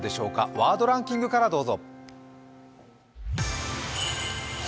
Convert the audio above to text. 「ワードランキング」からどうぞ。